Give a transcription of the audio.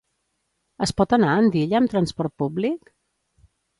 Es pot anar a Andilla amb transport públic?